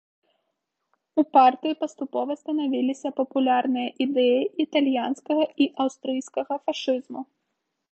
У партыі паступова станавіліся папулярныя ідэі італьянскага і аўстрыйскага фашызму.